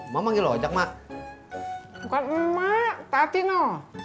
mak mau ngelu ajak mak bukan emak tapi no